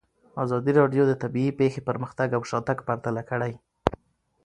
ازادي راډیو د طبیعي پېښې پرمختګ او شاتګ پرتله کړی.